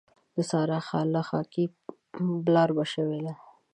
د سارا خاله خاکي بلاربه شوې ده.